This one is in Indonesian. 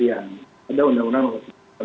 ada undang undang yang harus dilaksanakan